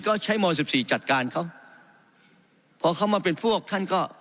ก็ใช้มสิบสี่จัดการเขาพอเขามาเป็นพวกท่านก็